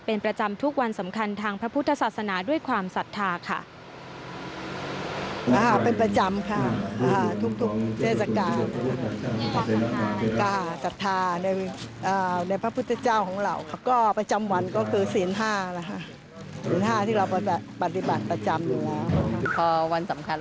เป็นประจำทุกวันสำคัญทางพระพุทธศาสนาด้วยความศรัทธาค่ะ